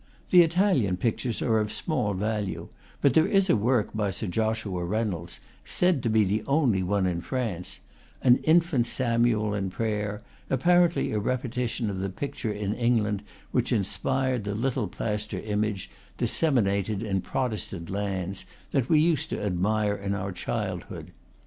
The Italian pictures are of small value; but there is a work by Sir Joshua Rey nolds, said to be the only one in France, an infant Samuel in prayer, apparently a repetition of the pic ture in England which inspired the little plaster im age, disseminated in Protestant lands, that we used to admire in our childhood.